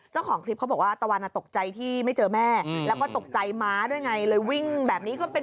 เจ้าของคลิปเขาตะวันก็ตกใจที่ไม่เจอแม่แล้วก็ตกใจม้าด้วยงี้เลยวิ่งแบบนี้